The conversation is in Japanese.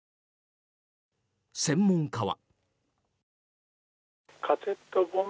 専門家は。